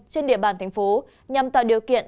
trên địa bàn thành phố nhằm tạo điều kiện